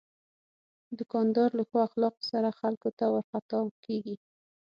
دوکاندار له ښو اخلاقو سره خلکو ته ورخطا کېږي.